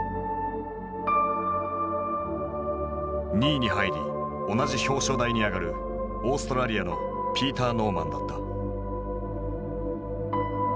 ２位に入り同じ表彰台に上がるオーストラリアのピーター・ノーマンだった。